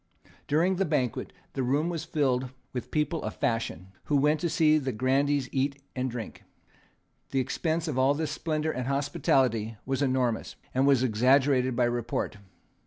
During the banquet the room was filled with people of fashion, who went to see the grandees eat and drink. The expense of all this splendour and hospitality was enormous, and was exaggerated by report.